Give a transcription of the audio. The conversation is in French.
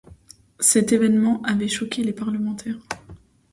Cet évènement avait choqué les parlementaires.